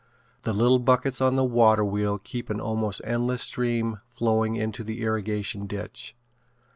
The little buckets on the waterwheel keep an almost endless stream flowing into the irrigation ditch.